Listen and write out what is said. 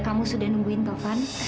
kamu sudah nungguin tovan